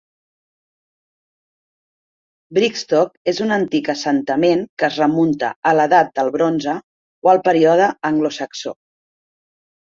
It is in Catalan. Brigstock és un antic assentament que es remunta a l'edat del bronze o al període anglosaxó.